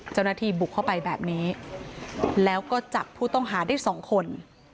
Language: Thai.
เจ้าหน้าที่บุกเข้าไปแบบนี้แล้วก็จับผู้ต้องหาได้สองคน